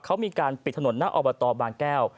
เขามีการปิดถนนหน้าอบตบางแก้ว